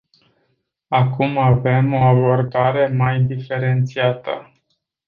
Acum avem o abordare mai diferențiată.